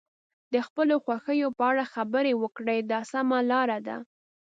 د خپلو خوښیو په اړه خبرې وکړئ دا سمه لاره ده.